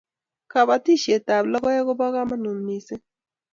kabatishiet ab lockoek kobo kamagut mising